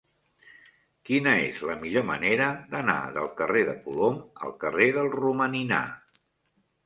Quina és la millor manera d'anar del carrer de Colom al carrer del Romaninar?